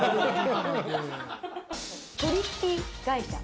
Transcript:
取引会社。